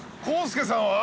浩介さん。